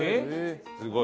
すごい。